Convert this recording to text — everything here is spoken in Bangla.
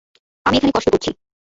আমি এখানে কষ্ট করছি।